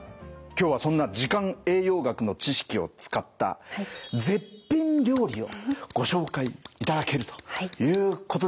今日はそんな時間栄養学の知識を使った絶品料理をご紹介いただけるということですね？